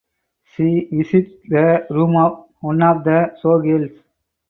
She visits the room of one of the showgirls.